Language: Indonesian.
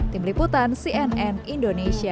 tim liputan cnn indonesia